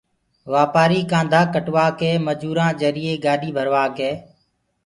واپآري ڪآندآ ڪٽوآڪي مجورآن جريئي گاڏي ڀروآڪي